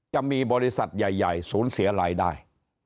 จะมีบริษัทใหญ่ศูนย์เสียรายได้